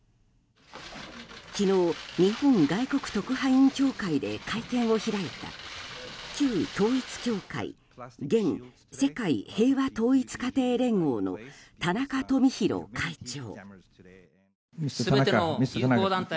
昨日、日本外国特派員協会で会見を開いた、旧統一教会現世界平和統一家庭連合の田中富広会長。